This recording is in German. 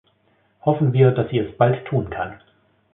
Hoffen wir, dass sie es bald tun kann.